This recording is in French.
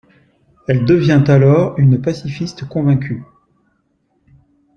Elle devient alors une pacifiste convaincue.